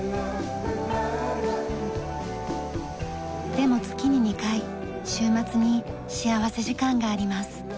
でも月に２回週末に幸福時間があります。